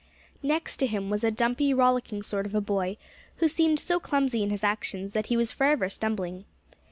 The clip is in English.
Next to him was a dumpy, rollicking sort of a boy, who seemed so clumsy in his actions that he was forever stumbling.